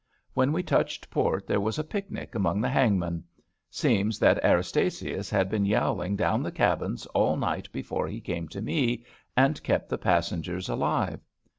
When we touched port there was a picnic among the hangmen. Seems that Eras tasius had been yowling down the cabins all night before he came to me, and kept the passengers alive.